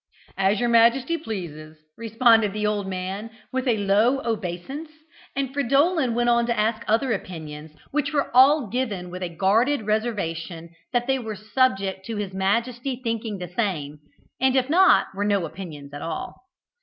"As your majesty pleases," responded the old man, with a low obeisance; and Fridolin went on to ask other opinions, which were all given with a guarded reservation, that they were subject to his majesty thinking the same, and if not, were no opinions at all.